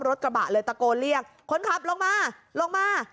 รถกระบะเลยตะโกนเรียกคนขับลงมาลงมา